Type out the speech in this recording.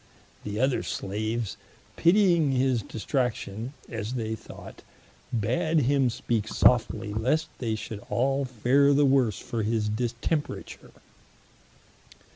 The other Slaves pittying his distraction (as they thought) bad him speake softly, lest they should all fare the worse for his distemperature.